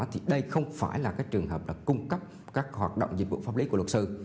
thì đây không phải là trường hợp cung cấp các hoạt động dịch vụ pháp lý của luật sư